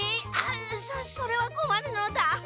そそれはこまるのだ。